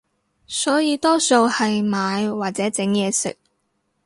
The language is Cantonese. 所以多數係買或者整嘢食